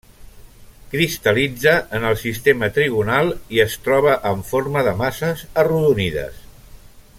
Cristal·litza en el sistema trigonal, i es troba en forma de masses arrodonides.